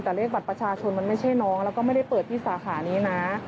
แต่เลขบัตรประชาชนมันไม่ใช่น้องแล้วก็ไม่ได้เปิดที่สาขานี้นะ